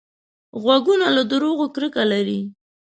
غوږونه له دروغو کرکه لري